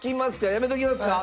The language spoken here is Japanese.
やめときますか？